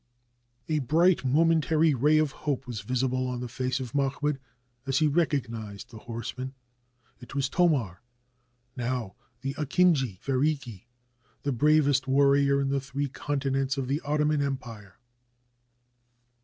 A bright momentary ray of hope was visible on the 519 TURKEY face of Mahmoud as he recognized the horseman. It was Thomar, now the Akinji Feriki, the bravest warrior in the three continents of the Ottoman Empire.